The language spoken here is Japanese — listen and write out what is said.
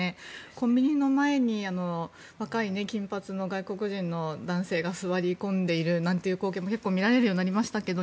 コンビニの前に若い金髪の外国人の男性が座り込んでいるなんていう光景も結構見られるようになりましたけど